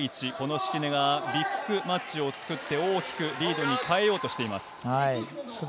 敷根がビッグマッチを作って、大きくリードに変えようとしています。